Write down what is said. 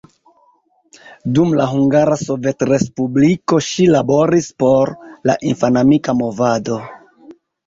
Dum la Hungara Sovetrespubliko ŝi laboris por la infanamika movado.